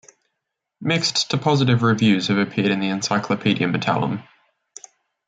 Mixed to positive reviews have appeared in the Encyclopaedia Metallum.